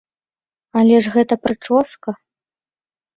Але ж гэта прычоска.